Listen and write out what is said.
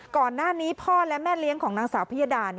ก่อนหน้านี้พ่อและแม่เลี้ยงของนางสาวพิยดา